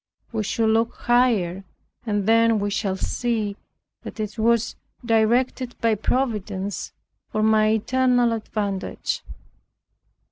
We should look higher and then we shall see that it was directed by Providence for my eternal advantage.